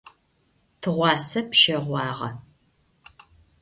Tığuase pşeğuağe.